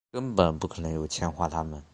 根本不可能有钱还他们